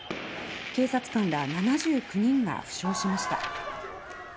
警察官ら７９人が負傷しました。